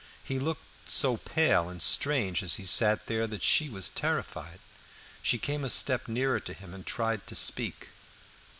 He looked so pale and strange as he sat there, that she was terrified. She came a step nearer to him, and tried to speak.